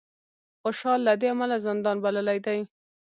خوشال له دې امله زندان بللی دی